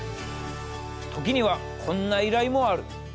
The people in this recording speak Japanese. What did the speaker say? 時にはこんな依頼もある。